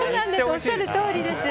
おっしゃるとおりです。